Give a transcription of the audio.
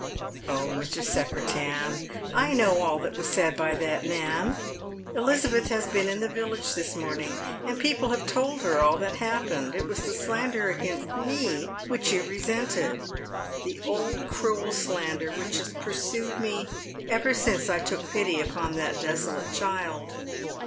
" Uh, Mr. Secretan, I know all that was said by that man Elizabeth has been in the village this morning, and people have told her all that happened. It was the slander against me which you resented. The old cruel slander which has pursued me ever since I took pity upon that desolate child."